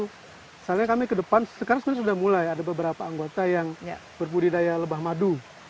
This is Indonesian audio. misalnya kami ke depan sekarang sudah mulai ada beberapa anggota yang berbudidaya lebah madu